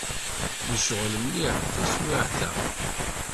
Necɣel mliḥ taswiεt-a.